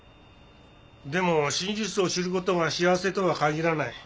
でも真実を知ることが幸せとは限らない。